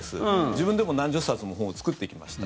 自分でも何十冊も本を作ってきました。